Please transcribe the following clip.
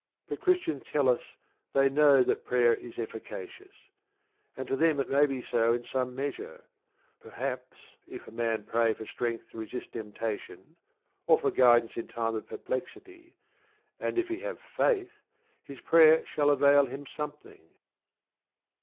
But Christians tell us they know that prayer is efficacious. And to them it may be so in some measure. Perhaps, if a man pray for strength to resist temptation, or for guidance in time of perplexity, and if he have faith, his prayer shall avail him something.